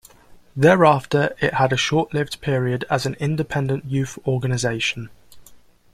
Thereafter it had a short-lived period as an independent youth organization.